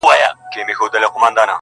غويی د وښو په زور چلېږي، هل د مټ په زور.